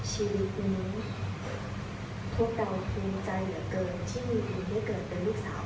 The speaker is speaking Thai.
ชีวิตนี้พวกเรามีใจเหลือเกินที่มีคุณให้เกิดเป็นลูกสาวพ่อ